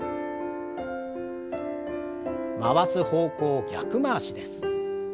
回す方向を逆回しです。